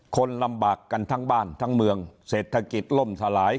คนลำบากกันทั้งบ้านทั้งเมืองเศรษฐกิจล่มสลาย